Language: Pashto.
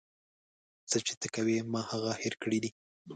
څه چې ته کوې ما هغه هير کړي دي.